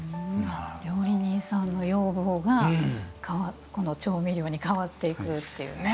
料理人さんの要望が調味料に変わっていくっていうね。